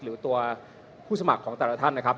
หรือตัวผู้สมัครของแต่ละท่านนะครับ